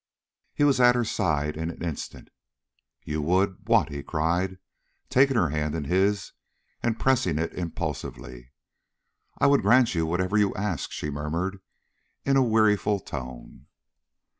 He was at her side in an instant. "You would what?" he cried, taking her hand in his and pressing it impulsively. "I would grant you whatever you ask," she murmured, in a weariful tone.